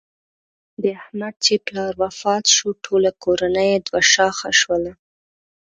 د احمد چې پلار وفات شو ټوله کورنۍ یې دوه شاخه شوله.